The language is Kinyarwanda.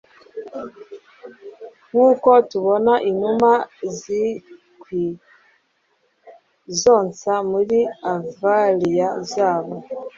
Nkuko tubona inuma zinkwi zonsa muri aviaries zabo